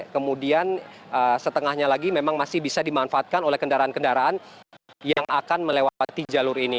kemudian setengahnya lagi memang masih bisa dimanfaatkan oleh kendaraan kendaraan yang akan melewati jalur ini